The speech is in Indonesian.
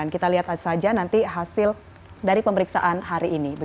kita lihat saja nanti hasil dari pemeriksaan hari ini